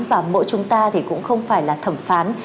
và mỗi chúng ta thì cũng không phải là thẩm phán